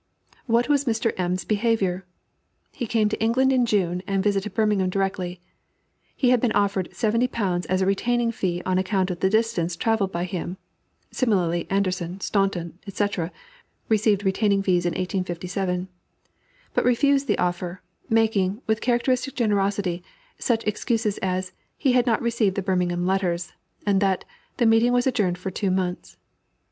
What was Mr. M.'s behavior? He came to England in June, and visited Birmingham directly. He had been offered £70 as a retaining fee on account of the distance travelled by him (similarly Anderssen, Staunton, etc., received retaining fees in 1857), but refused the offer, making, with characteristic generosity, such excuses as "he had not received the Birmingham letters," and that "the meeting was adjourned for two months."